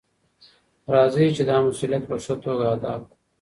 راځئ چې دا مسؤلیت په ښه توګه ادا کړو.